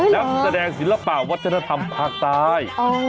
นักแสดงศิลปะวัฒนธรรมภาคใต้